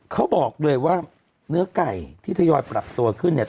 เขาบอกเลยว่าเนื้อไก่ที่ทยอยปรับตัวขึ้นเนี่ย